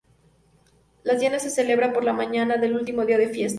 Las Dianas se celebran por la mañana del último día de fiestas.